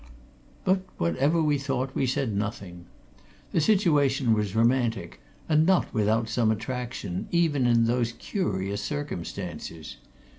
But whatever we thought, we said nothing. The situation was romantic, and not without some attraction, even in those curious circumstances.